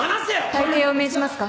退廷を命じますか？